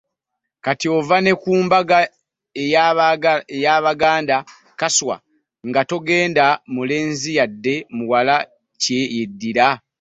Kati ova ne ku mbaga ey’Abaganda kaswa nga totegedde mulenzi yadde omuwala kye yeddira.